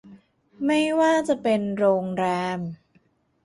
ไม่ว่าจะเป็นโรงแรม